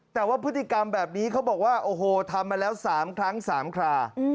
แต่ว่าพฤติกรรมแบบนี้เขาบอกว่าโอ้โหทำมาแล้ว๓ครั้ง๓ครา